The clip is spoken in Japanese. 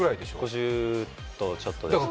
５０とちょっとですね。